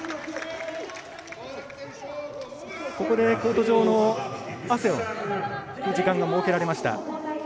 ここでコート上の汗をふく時間が設けられました。